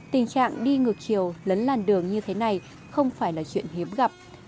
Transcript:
tình trạng đi ngược chiều lấn làn đường như thế này không phải là chuyện hiếm gặp